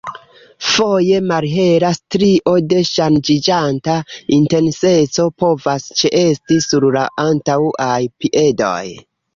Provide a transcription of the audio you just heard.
Foje, malhela strio de ŝanĝiĝanta intenseco povas ĉeesti sur la antaŭaj piedoj.